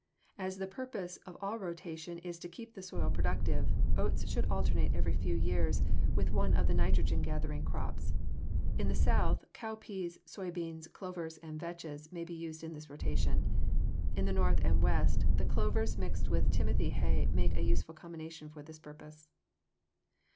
As the purpose of all rotation is to keep the soil productive, oats should alternate every few years with one of the nitrogen gathering crops. In the South, cowpeas, soy beans, clovers, and vetches may be used in this rotation. In the North and West the clovers mixed with timothy hay make a useful combination for this purpose.